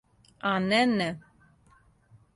А не, не!